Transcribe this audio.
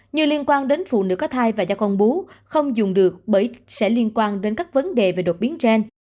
như liên quan đến phụ nữ có thai và do con bú không dùng được bởi sẽ liên quan đến các vấn đề về đột biến gen